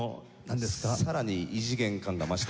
さらに異次元感が増して。